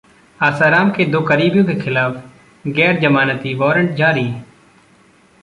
आसाराम के दो करीबियों के खिलाफ गैर जमानती वारंट जारी